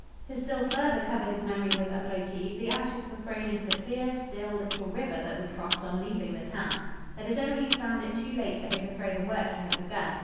To still further cover his memory with obloquy, the ashes were thrown into the clear, still, little river that we crossed on leaving the town. But his enemies found it too late to overthrow the work he had begun.